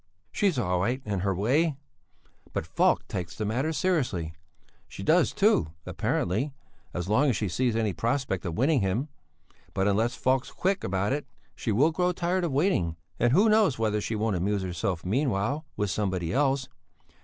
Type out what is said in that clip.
"She's all right in her way, but Falk takes the matter seriously; she does too, apparently, as long as she sees any prospect of winning him; but unless Falk's quick about it, she will grow tired of waiting, and who knows whether she won't amuse herself meanwhile with somebody else?